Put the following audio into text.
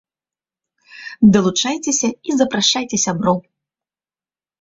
Далучайцеся і запрашайце сяброў!